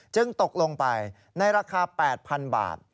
ตกลงไปในราคา๘๐๐๐บาท